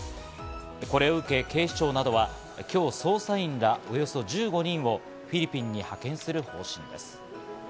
これを受け、警視庁などは今日、捜査員らおよそ１５人をフィリピンに派遣する方針です。